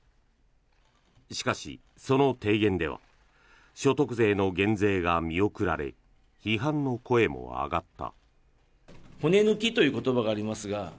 しかし、その提言では所得税の減税が見送られ批判の声も上がった。